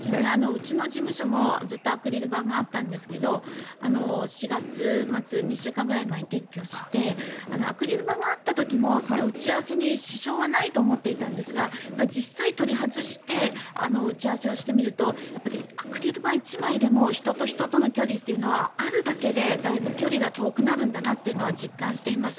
うちの事務所もずっとアクリル板があったんですが４月末、２週間ぐらい前に撤去してアクリル板があった時も打ち合わせに支障はないと思っていたんですが実際に取り外して打ち合わせをしてみるとアクリル板１枚でも人と人との距離というのはあるだけで、だいぶ距離が遠くなるんだなというのは実感しています。